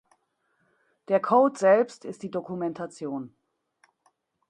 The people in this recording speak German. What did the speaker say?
Der Code selbst ist die Dokumentation.